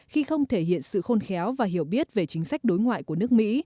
khi không thể hiện sự khôn khéo và hiểu biết về chính sách đối ngoại của nước mỹ